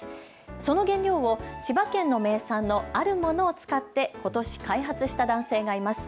その原料を千葉県の名産のあるものを使ってことし開発した男性がいます。